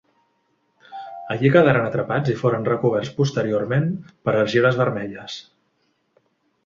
Allí quedaren atrapats i foren recoberts posteriorment per argiles vermelles.